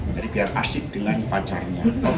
jadi biar asik dengan pacarnya